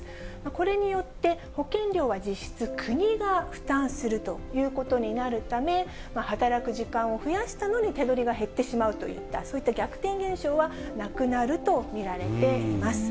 これによって保険料は実質、国が負担するということになるため、働く時間を増やしたのに手取りが減ってしまうといった、そういった逆転現象はなくなると見られています。